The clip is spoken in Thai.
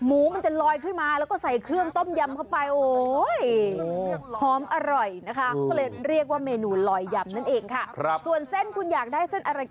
อู้วก็ใจคอไม่ค่อยดี